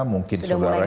mungkin saudara kita